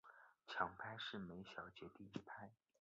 强拍是每小节第一拍。